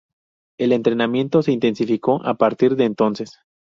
El entrenamiento se intensificó a partir de entonces.